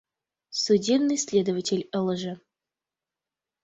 Судебный следователь ылыже.